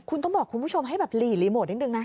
คุณต้องบอกคุณผู้ชมให้แบบหลีรีโมทนิดนึงนะ